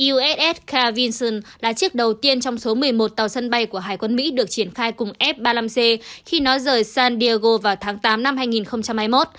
uss ca vinson là chiếc đầu tiên trong số một mươi một tàu sân bay của hải quân mỹ được triển khai cùng f ba mươi năm c khi nói rời san diego vào tháng tám năm hai nghìn hai mươi một